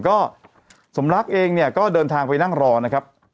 ก็สมรักเองเนี่ยก็เดินทางไปนั่งรอนะครับ